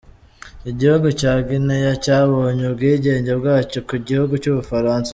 Igihugu cya Guinea cyabonye ubwigenge bwacyo ku gihugu cy’u Bufaransa.